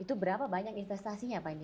itu berapa banyak investasinya pak ini